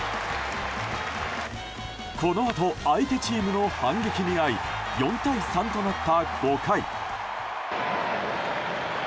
このあと相手チームの反撃に遭い４対３となった５回。